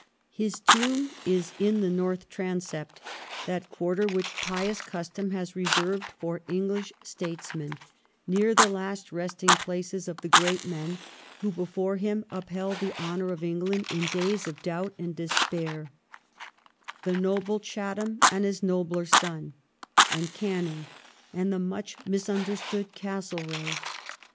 His tomb is in the North Transept, that quarter which pious cus tom has reserved for England's statesmen, near the last resting places of the great men who before him upheld the honour of England in days of doubt and despair — the noble Chatham, and his nobler son, and Ganniug, and the much misunderstood Gastlereagh.